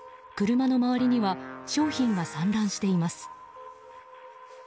車の周りには商品が散乱しています。